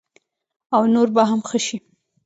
او نور به هم ښه شي.